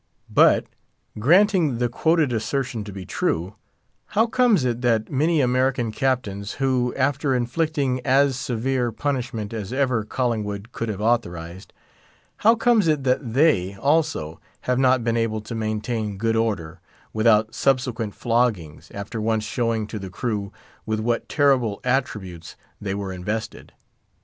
But, granting the quoted assertion to be true, how comes it that many American Captains, who, after inflicting as severe punishment as ever Collingwood could have authorized—how comes it that they, also, have not been able to maintain good order without subsequent floggings, after once showing to the crew with what terrible attributes they were invested?